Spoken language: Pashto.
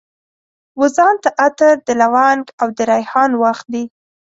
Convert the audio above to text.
وځان ته عطر، د لونګ او دریحان واخلي